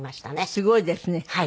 すごいですね。